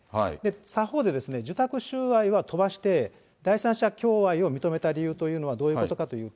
他方で受託収賄は飛ばして、第三者供賄を認めた理由というのはどういうことかというと。